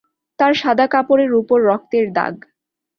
তাঁর সাদা কাপড়ের উপর রক্তের দাগ।